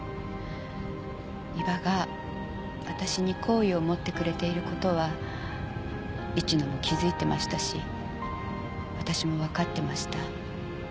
伊庭が私に好意を持ってくれている事は市野も気づいてましたし私もわかってました。